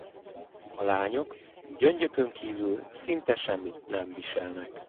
A lányok gyöngyökön kívül szinte semmit nem viselnek.